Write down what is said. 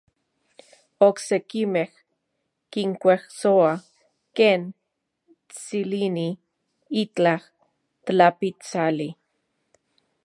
Oksekimej kinkuejsoa ken tsilini itlaj tlapitsali.